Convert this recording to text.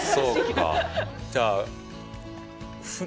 じゃあふ？